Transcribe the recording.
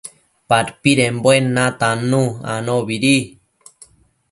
padpidembuen natannu anobidi